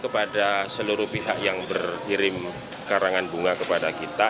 kepada seluruh pihak yang berkirim karangan bunga kepada kita